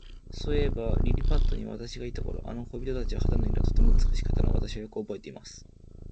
そういえば、リリパットに私がいた頃、あの小人たちの肌の色は、とても美しかったのを、私はよくおぼえています。